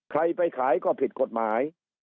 ใครไปขายก็ผิดกฎหมาย